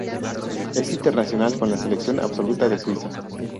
Es internacional con la Selección Absoluta de Suiza.